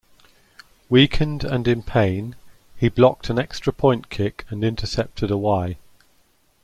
Weakened and in pain, he blocked an extra point kick and intercepted a Y.